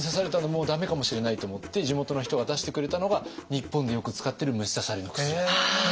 もう駄目かもしれないと思って地元の人が出してくれたのが日本でよく使ってる虫刺されの薬。